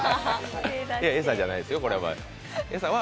餌じゃないですよ、これは。